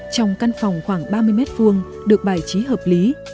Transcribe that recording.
trong căn phòng khoảng ba mươi m hai được bài trí hợp lý